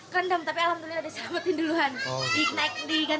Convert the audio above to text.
kerendam tapi alhamdulillah diselamatin duluan